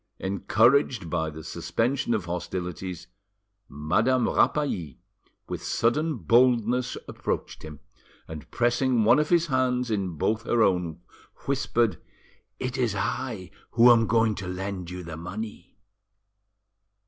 Encouraged by the suspension of hostilities, Madame Rapally with sudden boldness approached him, and, pressing one of his hands in both her own, whispered— "It is I who am going to lend you the money."